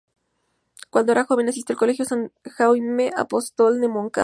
Cuando era joven asistió al Colegio San Jaime Apóstol de Moncada.